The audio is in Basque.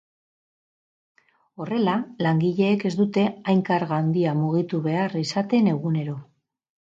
Horrela, langileek ez dute hain karga handia mugitu behar izaten egunero.